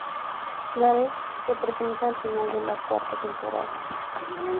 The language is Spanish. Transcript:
Gareth se presenta al final de la cuarta temporada.